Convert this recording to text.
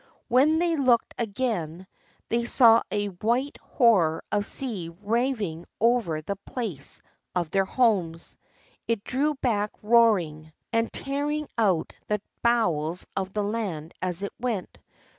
When they looked again, they saw a white horror of sea raving over the place of their homes. It drew back roaring, and tearing out the bowels of the land as it went.